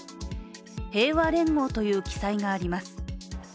平和連合という記載があります。